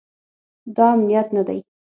دا امنیت نه دی